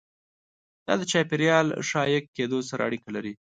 دا د چاپیریال ښه عایق کېدو سره اړیکه لري.